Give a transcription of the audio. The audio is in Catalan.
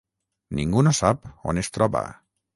Ningú no sap on es troba.